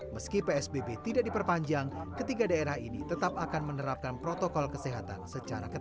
meski psbb tidak diperpanjang ketiga daerah ini tetap akan menerapkan protokol kesehatan secara ketat